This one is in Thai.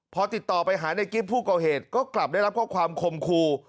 พอติดต่อไปหาในกิฟต์ผู้ก่อเหตุก็กลับได้รับข้อความคมครู